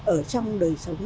ở trong đời sống